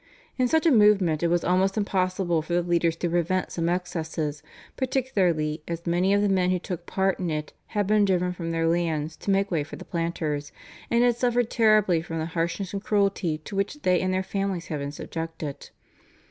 In such a movement it was almost impossible for the leaders to prevent some excesses, particularly as many of the men who took part in it had been driven from their lands to make way for the Planters, and had suffered terribly from the harshness and cruelty to which they and their families had been subjected.